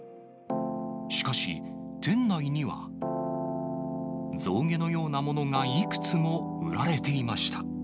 しかし店内には、象牙のようなものがいくつも売られていました。